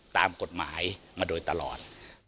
ตามกฎหมายมาโดยตลอด